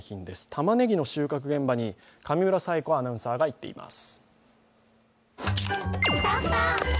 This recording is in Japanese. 玉ねぎの収穫現場に上村彩子アナウンサーが行っています。